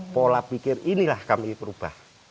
pola pikir inilah kami perubahan